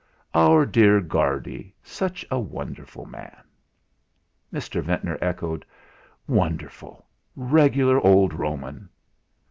"Our dear Guardy such a wonderful man." Mr. Ventnor echoed: "Wonderful regular old Roman."